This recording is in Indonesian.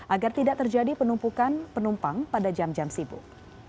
agar tidak terjadi penumpukan penumpang pada jam jam sibuk